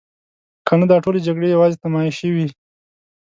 کنه دا ټولې جګړې یوازې نمایشي وي.